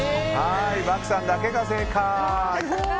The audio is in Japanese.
漠さんだけが正解！